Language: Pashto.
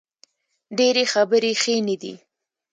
ډیرې خبرې ښې نه دي